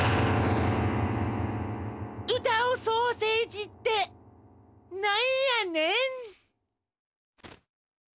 うたうソーセージってなんやねん？